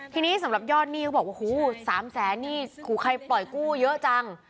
ทีนี้สำหรับยอดหนี้เขาบอกว่าหู๓แสนนี่ใครปล่อยกู้เยอะจัง